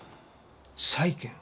債権？